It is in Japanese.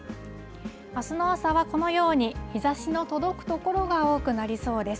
あすの朝はこのように日ざしの届く所が多くなりそうです。